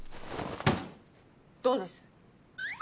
どうです？